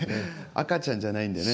赤ちゃんじゃないんでね。